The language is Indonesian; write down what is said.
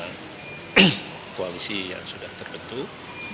karena koalisi yang sudah terbentuk